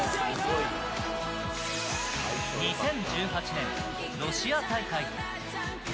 ２０１８年、ロシア大会。